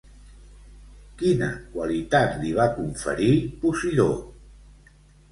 Quina qualitat li va conferir Posidó?